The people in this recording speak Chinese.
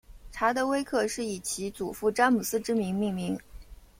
查德威克是以其祖父詹姆斯之名命名。